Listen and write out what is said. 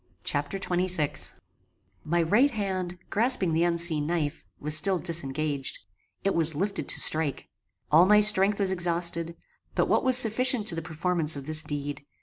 Chapter XXVI My right hand, grasping the unseen knife, was still disengaged. It was lifted to strike. All my strength was exhausted, but what was sufficient to the performance of this deed.